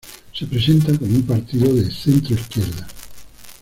Se presenta como un partido de centro-izquierda.